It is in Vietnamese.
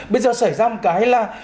bây giờ xảy ra một cái là